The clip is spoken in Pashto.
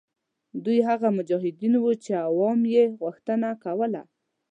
دوی هغه مجاهدین وه چې عوامو یې غوښتنه کوله.